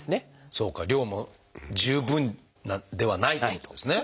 そうか量も十分ではないってことですね。